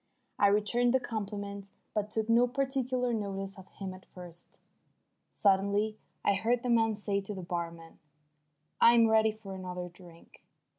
I returned the compliment, but took no particular notice of him at first. Suddenly I heard the man say to the barman: "I'm ready for another drink."